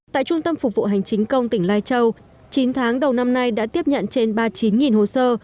tại trung tâm phục vụ hành chính công tỉnh lai châu chín tháng đầu năm nay đã tiếp nhận trên ba mươi chín hồ sơ